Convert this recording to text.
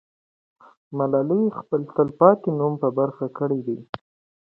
ملالۍ خپل تل پاتې نوم په برخه کړی دی.